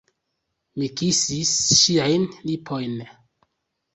Mi kisis ŝiajn lipojn.